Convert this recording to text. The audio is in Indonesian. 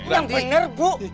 yang bener bu